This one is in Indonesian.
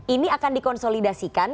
ini akan dikonsolidasikan